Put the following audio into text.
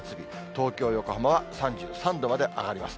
東京、横浜は３３度まで上がります。